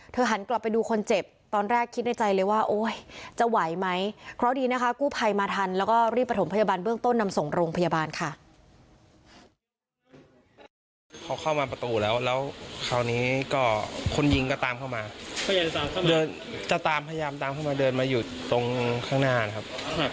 มาประตูแล้วแล้วคราวนี้ก็คนยิงก็ตามเข้ามาเดินจะตามพยายามตามเข้ามาเดินมาอยู่ตรงข้างหน้าครับ